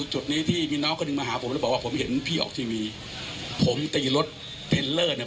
จุดนี้ที่มีน้องคนหนึ่งมาหาผมแล้วบอกว่าผมเห็นพี่ออกทีวีผมตีรถเทลเลอร์เนี่ย